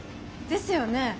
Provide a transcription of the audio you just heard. ですよね！